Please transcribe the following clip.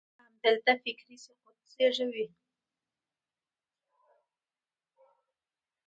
همدغه لټه فکري سقوط زېږوي.